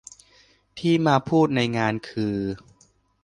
ที่มาพูดในงานคือ